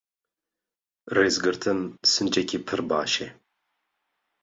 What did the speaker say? Rêzgirtin, sincekî pir baş e.